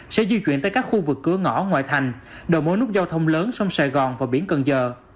sẽ di chuyển tới các khu vực cửa ngõ ngoại thành đồ mối nút giao thông lớn sông sài gòn và biển cần giờ